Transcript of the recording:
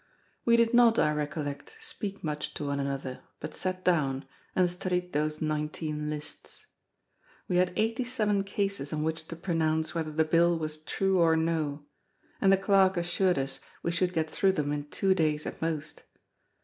We did not, I recollect, speak much to one another, but sat down, and studied those nineteen lists. We had eighty seven cases on which to pronounce whether the bill was true or no; and the clerk assured us we should get through them in two days at most.